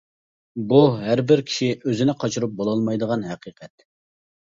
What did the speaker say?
بۇ ھەربىر كىشى ئۆزىنى قاچۇرۇپ بولالمايدىغان ھەقىقەت.